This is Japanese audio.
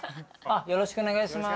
よろしくお願いします。